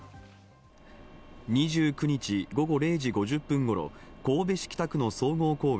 ２９日午後０時５０分ごろ、神戸市北区の総合公園